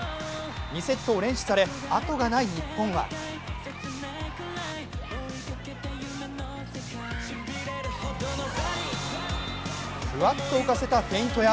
２セットを連取され後がない日本はフワッと浮かせたフェイントや